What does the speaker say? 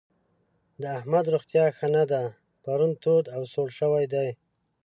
د احمد روغتيا ښه نه ده؛ پرون تود او سوړ شوی دی.